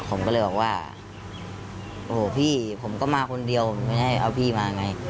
ผมก็เลยบอกว่าโอ้โหพี่ผมก็มาคนเดียวไม่ให้เอาพี่มาไง